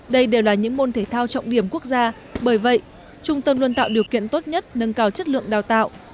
đây đều là những môn thể thao trọng điểm quốc gia bởi vậy trung tâm luôn tạo điều kiện tốt nhất nâng cao chất lượng đào tạo